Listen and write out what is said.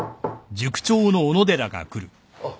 ・あっ